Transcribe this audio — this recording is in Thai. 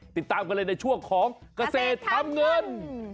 ติดตามกันเลยในช่วงของเกษตรทำเงิน